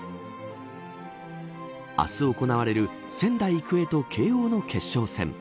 明日行われる仙台育英と慶応の決勝戦。